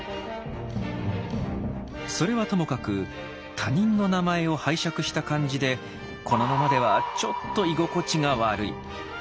それはともかく他人の名前を拝借した感じでこのままではちょっと居心地が悪い。